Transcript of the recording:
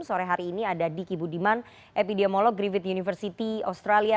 sore hari ini ada diki budiman epidemiolog griffith university australia